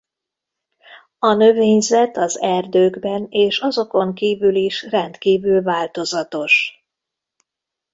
A növényzet az erdőkben és azokon kívül is rendkívül változatos.